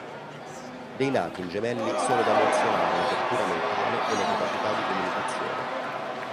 Dei nati in Gemelli sono da menzionare l'apertura mentale e le capacità di comunicazione.